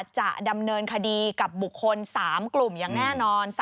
จะดำเนินคดีกับบุคคล๓กลุ่มอย่างแน่นอน